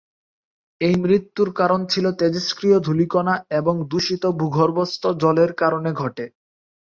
এই মৃত্যুর কারণ ছিল তেজস্ক্রিয় ধূলিকণা এবং দূষিত ভূগর্ভস্থ জলের কারণে ঘটে।